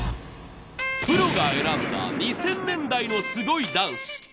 プロが選んだ２０００年代のすごいダンス。